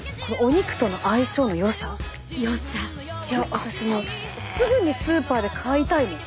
私もうすぐにスーパーで買いたいもん。